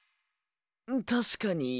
確かに。